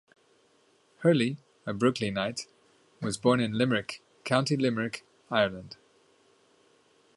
Hurley, a Brooklynite, was born in Limerick, County Limerick, Ireland.